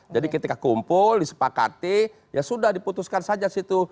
jadi ketika kumpul disepakati ya sudah diputuskan saja situ